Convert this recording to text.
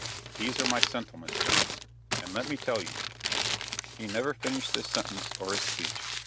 These are my sentiments, gentlemen and let me tell you " He never finished this sentence, or his speech.